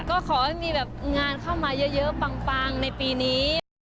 ก็ขอให้มีแบบงานเข้ามาเยอะปังในปีนี้